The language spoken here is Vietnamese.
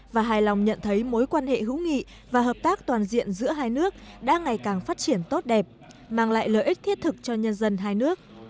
và hài lòng nhận thấy mối quan hệ hữu nghị và hợp tác toàn diện giữa hai nước đã ngày càng phát triển tốt đẹp mang lại lợi ích thiết thực cho nhân dân hai nước